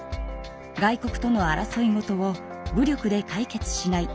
外国との争いごとを武力で解決しない。